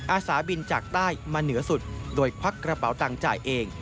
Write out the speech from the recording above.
อาสาบินจากใต้มาเหนือสุดโดยควักกระเป๋าตังค์จ่ายเอง